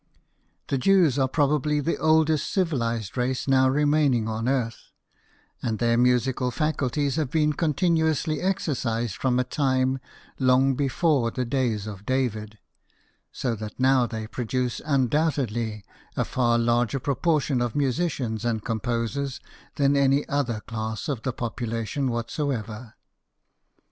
The Jews are probably the oldest civilized race now remaining on earth ; and their musical faculties have been continuously exercised from a time long before the days of David, so that now they produce undoubtedly a far larger proportion of musicians and composers than any other class of the 90 BIOGRAPHIES OF WORKING MEN. population whatsoever.